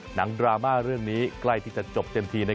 ดราม่าเรื่องนี้ใกล้ที่จะจบเต็มที